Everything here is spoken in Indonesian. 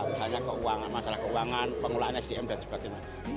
misalnya keuangan masalah keuangan pengelolaan sdm dan sebagainya